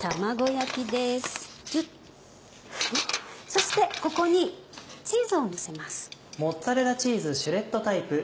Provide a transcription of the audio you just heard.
そしてここにチーズをのせます。